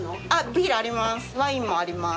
ビールあります